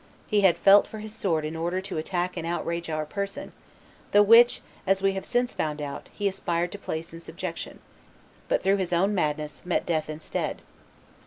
He had felt for his sword in order to attack and outrage our person, the which, as we have since found out, he aspired to place in subjection ... but, through his own madness, met death instead."